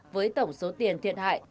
với tổng số tiền thiệt hại